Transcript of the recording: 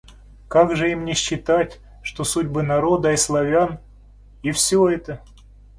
Как же им не считать, что судьбы народа и Славян... и всё это?